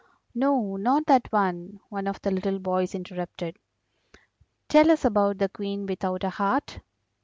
"No, not that one," one of the little boys interrupted, "tell us about the Queen without a heart."